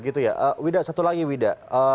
gitu ya wida satu lagi wida